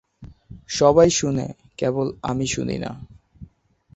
সবাই শুনে কেবল আমি শুনিনা।